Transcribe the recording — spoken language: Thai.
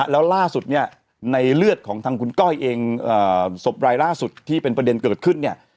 แล้วล่าสุดเนี่ยในเลือดของทางคุณก้อยเองศพรายล่าสุดที่เป็นประเด็นเกิดขึ้นเนี่ย